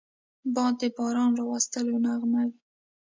باد د باران راوستلو نغمه وي